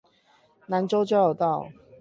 南州交流道